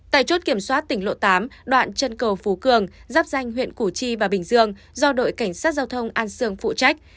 tại chốt kiểm soát tỉnh lộ tám đoạn chân cầu phú cường giáp danh huyện củ chi và bình dương do đội cảnh sát giao thông an sương phụ trách